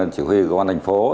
chỉ huy công an thành phố